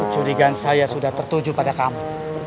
keculikan saya sudah tertuju pada kamu